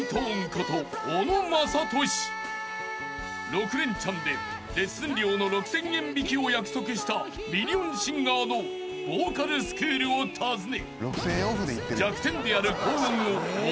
［６レンチャンでレッスン料の６，０００円引きを約束したミリオンシンガーのボーカルスクールを訪ね］